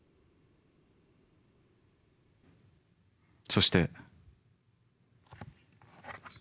そして。